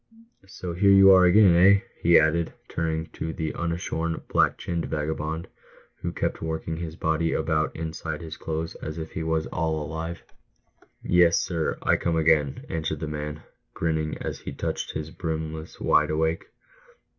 So here you are again — eh ?" he added, turning to the unshorn, black chinned vagabond, who kept working his body about inside his clothes as if he was all alive. " Yes, sir, I'm come again," answered the man, grinning, as he touched his brimless wide awake.